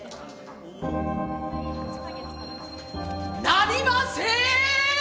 なりません！！